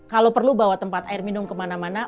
kalau perlu bawa tempat air minum kemana mana